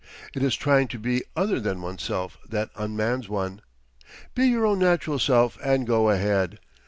It is trying to be other than one's self that unmans one. Be your own natural self and go ahead.